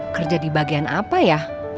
kerja di bagian apa ya